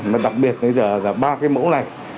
mà đặc biệt là ba cái mẫu này